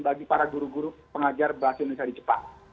bagi para guru guru pengajar bahasa indonesia di jepang